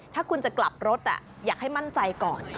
ถ้าคุณจะกลับรถอยากให้มั่นใจก่อน